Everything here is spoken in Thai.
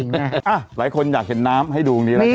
อ่ะหลายคนอยากเห็นน้ำให้ดูอย่างนี้ละกัน